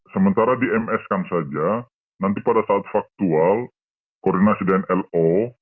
sementara di ms kan saja nanti pada saat faktual koordinasi dengan lo